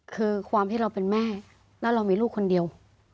คือความที่เราเป็นแม่แล้วเรามีลูกคนเดียว